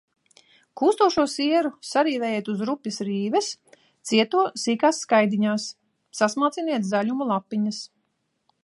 Kūstošo sieru sarīvējiet uz rupjas rīves, cieto – sīkās skaidiņās, sasmalciniet zaļumu lapiņas.